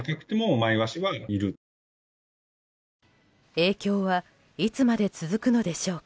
影響はいつまで続くのでしょうか。